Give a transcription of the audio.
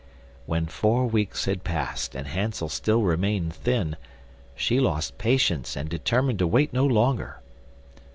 When four weeks had passed and Hansel still remained thin, she lost patience and determined to wait no longer.